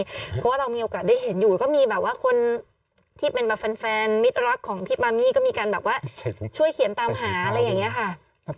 เพราะว่าเรามีโอกาสได้เห็นอยู่ก็มีแบบว่าคนที่เป็นแบบแฟนมิตรรักของพี่ปามี่ก็มีการแบบว่าช่วยเขียนตามหาอะไรอย่างนี้ค่ะ